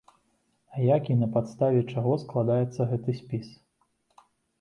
А як і на падставе чаго складаецца гэты спіс?